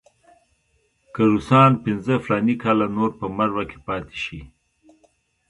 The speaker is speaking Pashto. که روسان پنځه فلاني کاله نور په مرو کې پاتې شي.